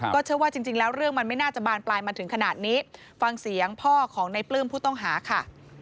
เชื่อว่าจริงแล้วเรื่องมันไม่น่าจะบานปลายมาถึงขนาดนี้ฟังเสียงพ่อของในปลื้มผู้ต้องหาค่ะ